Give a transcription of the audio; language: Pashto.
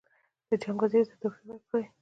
د جنګ وزیر ته تحفې ورکړي.